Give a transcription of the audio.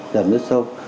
giảm rất sâu